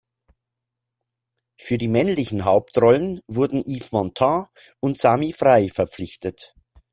Für die männlichen Hauptrollen wurden Yves Montand und Sami Frey verpflichtet.